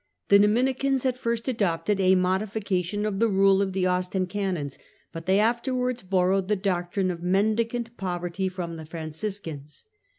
The Dominicans at first adopted a modification of the rule of the Austin Canons, but they afterwards borrowed the doctrine of mendicant poverty from the Franciscans.